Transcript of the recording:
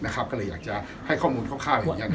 ก็เลยอยากจะให้ข้อมูลครอบคร่าวอย่างนี้